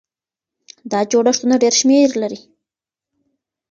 دا جوړښتونه ډېر شمېر لري.